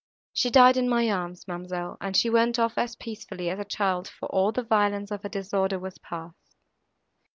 She died in my arms, ma'amselle, and she went off as peacefully as a child, for all the violence of her disorder was passed."